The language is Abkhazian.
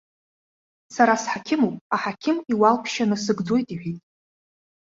Сара сҳақьымуп, аҳақьым иуалԥшьа насыгӡоит иҳәеит.